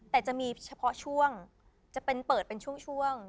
แต่จะมีเฉพาะช่วงจะเป็นเปิดเป็นช่วง